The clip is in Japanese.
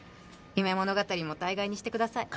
夢物語も大概にしてください